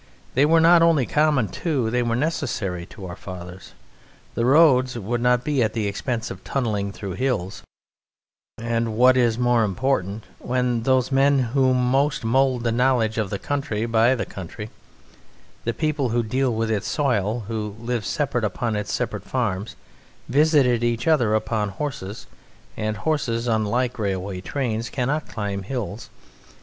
They were not only common to, they were necessary to our fathers; the roads would not be at the expense of tunnelling through hills, and (what is more important) when those men who most mould the knowledge of the country by the country (the people who deal with its soil, who live separate upon its separate farms) visited each other upon horses; and horses, unlike railway trains, cannot climb hills.